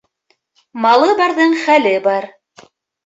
Малы барҙың хәле бар.